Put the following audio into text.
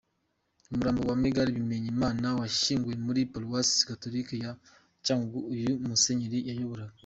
Umurambo wa Mgr Bimenyimana washyinguwe muri paruwasi gatolika ya Cyangugu uyu musenyeri yayobora.